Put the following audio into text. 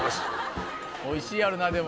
おいしいやろなでも。